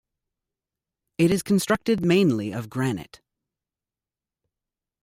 It is constructed mainly of granite.